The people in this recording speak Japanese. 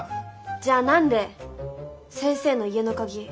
じゃあ何で先生の家の鍵